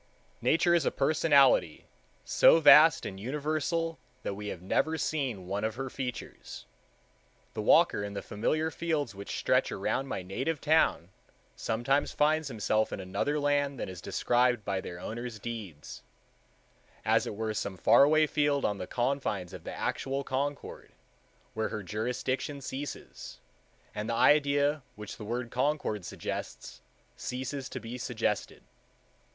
Nature is a personality so vast and universal that we have never seen one of her features. The walker in the familiar fields which stretch around my native town sometimes finds himself in another land than is described in their owners' deeds, as it were in some faraway field on the confines of the actual Concord, where her jurisdiction ceases, and the idea which the word Concord suggests ceases to be suggested.